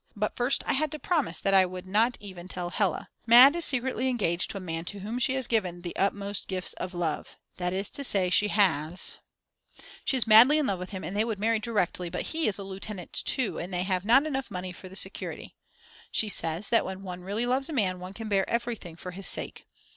But first I had to promise that I would not even tell Hella. Mad. is secretly engaged to a man to whom she has given "the utmost gifts of love," that is to say she has .... She is madly in love with him, and they would marry directly but he is a lieutenant too, and they have not enough money for the security. She says that when one really loves a man one can bear everything for his sake.